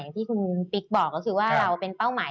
อย่างคุณเป๊กบอกแฟนของเราเป็นเป้าหมาย